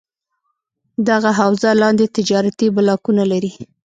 دغه حوزه لاندې تجارتي بلاکونه لري: